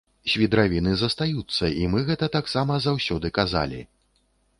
Свідравіны застаюцца, і мы гэта таксама заўсёды казалі!